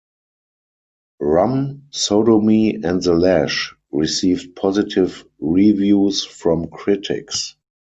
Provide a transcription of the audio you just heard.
"Rum Sodomy and the Lash" received positive reviews from critics.